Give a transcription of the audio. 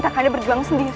kak kanda berjuang sendiri